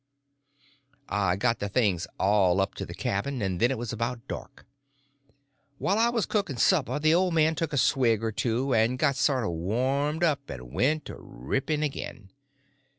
I got the things all up to the cabin, and then it was about dark. While I was cooking supper the old man took a swig or two and got sort of warmed up, and went to ripping again.